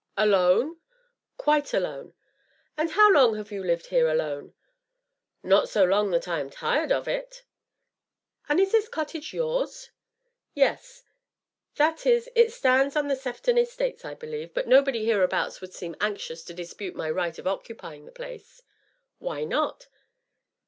"Alone?" "Quite alone!" "And how long have you lived here alone?" "Not so long that I am tired of it." "And is this cottage yours?" "Yes that is, it stands on the Sefton estates, I believe, but nobody hereabouts would seem anxious to dispute my right of occupying the place." "Why not?"